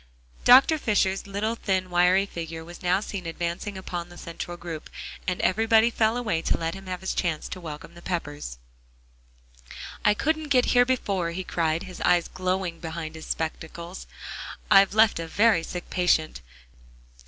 Dr. Fisher's little thin, wiry figure was now seen advancing upon the central group, and everybody fell away to let him have his chance to welcome the Peppers. "I couldn't get here before," he cried, his eyes glowing behind his spectacles. "I've left a very sick patient.